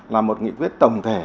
là một nghị quyết tổng thể